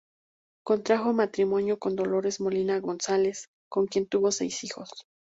Contrajo matrimonio con Dolores Molina González, con quien tuvo seis hijos.